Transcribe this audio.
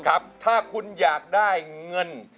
ถ้าคุณอยากได้เงิน